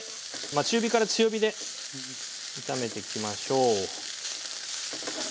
中火から強火で炒めていきましょう。